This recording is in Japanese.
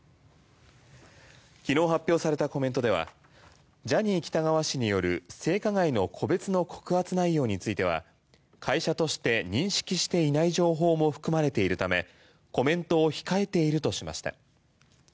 昨日発表されたコメントではジャニー喜多川氏による性加害の個別の告発内容については会社として認識していない情報も含まれているためコメントを控えているとしました。